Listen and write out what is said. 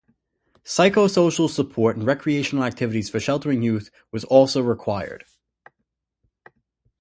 Psychosocial support and recreational activities for sheltering youth was also required.